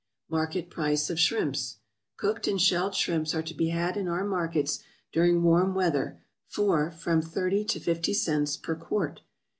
=Market Price of Shrimps.= Cooked and shelled shrimps are to be had in our markets during warm weather, for from thirty to fifty cents per quart.